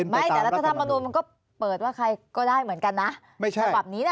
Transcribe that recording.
ไม่แต่รัฐธรรมนุนมันก็เปิดว่าใครก็ได้เหมือนกันนะไม่ใช่ฉบับนี้นะ